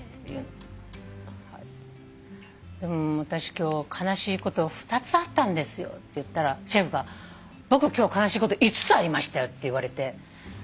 はいでも私今日悲しいこと２つあったんですよって言ったらシェフが「僕今日悲しいこと５つありましたよ」って言われて。